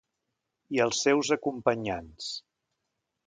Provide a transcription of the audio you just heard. I als seus acompanyants.